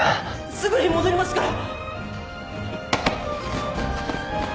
すぐに戻りますから。